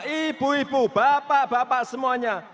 ibu ibu bapak bapak semuanya